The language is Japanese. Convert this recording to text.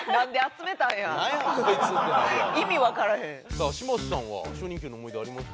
さあ嶋佐さんは初任給の思い出あります？